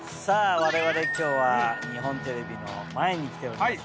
我々今日は日本テレビの前に来ておりますね。